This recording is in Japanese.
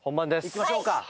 いきましょうか。